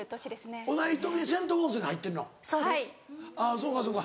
そうかそうか。